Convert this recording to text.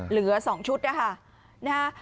เหลือ๒ชุดนะคะ